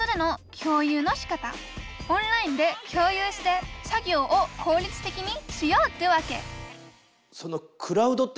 オンラインで共有して作業を効率的にしようってわけそのクラウドって何？